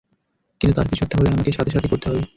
কিন্তু তার কিছু একটা হলে আমাকে সাথে সাথেই করতে হবে।